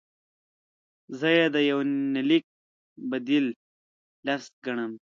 زه یې د یونلیک بدیل لفظ ګڼم.